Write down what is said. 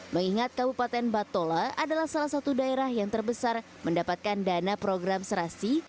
mengingat kabupaten batola adalah salah satu daerah yang terbesar mendapatkan dana program serasi